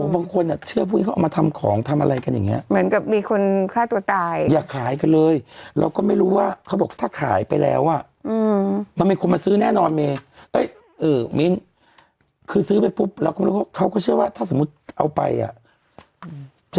แต่เค้าบอกว่าบางคนะเชื่อพวกนี้เค้าเอามาทำของทำอะไรกันอย่างเนี้ย